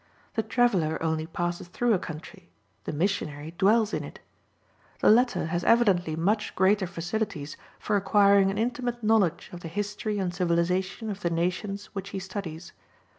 The traveller only passes through a country, the missionary dwells in it. The latter has evidently much greater facilities for acquiring an intimate knowledge of the history and civilization of the nations which he studies.